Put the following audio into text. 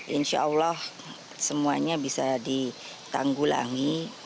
insya allah semuanya bisa ditanggulangi